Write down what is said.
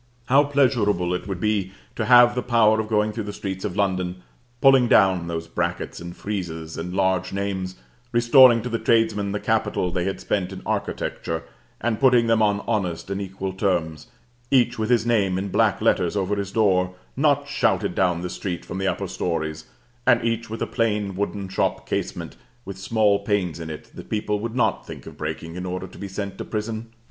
how pleasurable it would be to have the power of going through the streets of London, pulling down those brackets and friezes and large names, restoring to the tradesmen the capital they had spent in architecture, and putting them on honest and equal terms, each with his name in black letters over his door, not shouted down the street from the upper stories, and each with a plain wooden shop casement, with small panes in it that people would not think of breaking in order to be sent to prison!